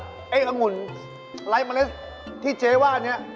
เดี๋ยวนี่แล้วตกลงอังุ่นไร้เมล็ดที่เจ๊ว่าอันนี้